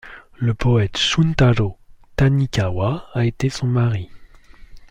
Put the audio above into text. Le poète Shuntarō Tanikawa a été son mari.